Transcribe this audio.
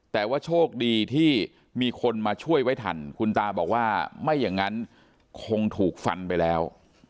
แต่ว่าโชคดีที่มีคนมาช่วยไว้ทันคุณตาบอกว่าไม่อย่างนั้นคงถูกฟันไปแล้ว